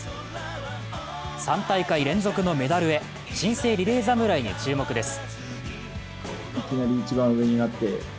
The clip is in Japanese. ３大会連続のメダルへ、新生リレー侍に注目です。